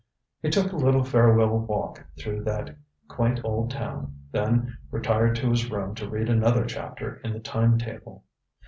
He took a little farewell walk through that quaint old town, then retired to his room to read another chapter in the time table.